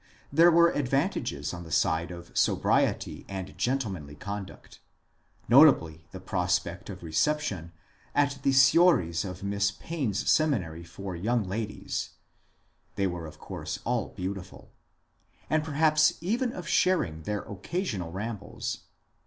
There were advantages on the side of sobriety and gentlemanly conduct, — notably the prospect of reception at the soirees of Miss Payne's Seminary for young ladies (they were of course all beautiful), and perhaps even of sharing their occasional ram bles.